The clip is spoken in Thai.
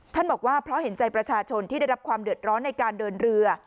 บอกว่าเพราะเห็นใจประชาชนที่ได้รับความเดือดร้อนในการเดินเรือ